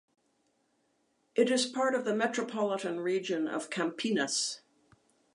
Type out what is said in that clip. It is part of the Metropolitan Region of Campinas.